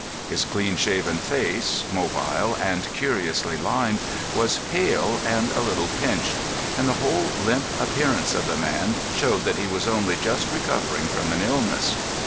His clean shaven face, mobile and curiously lined, was pale and a little pinched, and the whole limp appearance of the man showed that he was only just recovering from an illness.